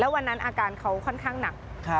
วันนั้นอาการเขาค่อนข้างหนัก